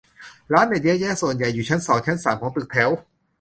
ร้านเน็ตเยอะแยะ ส่วนใหญ่อยู่ชั้นสองชั้นสามของตึกแถว